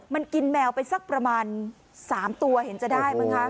มันกินแมวไปสักประมาณ๓ตัวเห็นจะได้มั้งคะ